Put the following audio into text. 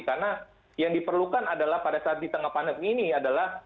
karena yang diperlukan adalah pada saat di tengah panit ini adalah